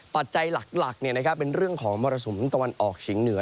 ปัจจัยหลักเป็นเรื่องของมรสุมตะวันออกเฉียงเหนือ